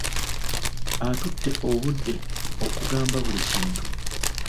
Atutte obudde okungamba buli kintu.